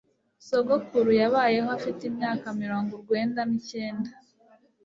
Sogokuru yabayeho afite imyaka mirongo urwenda n'icyenda.